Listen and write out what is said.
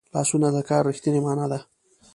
لاسونه د کار رښتینې مانا ده